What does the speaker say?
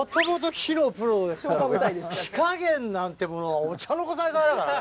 火加減なんてものはお茶の子さいさいだからね。